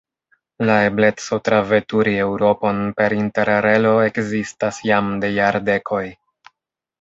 La ebleco traveturi Eŭropon per Interrelo ekzistas jam de jardekoj.